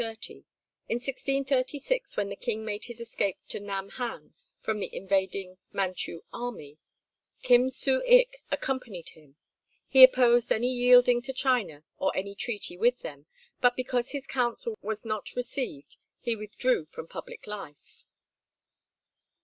In 1636, when the King made his escape to Nam han from the invading Manchu army, Kim Su ik accompanied him. He opposed any yielding to China or any treaty with them, but because his counsel was not received he withdrew from public life.